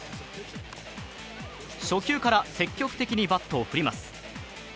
初球から積極的にバットを振ります。